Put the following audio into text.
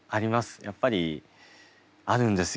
やっぱりあるんですよ。